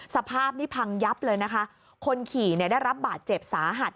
สภาพนี่พังยับเลยนะคะคนขี่เนี่ยได้รับบาดเจ็บสาหัส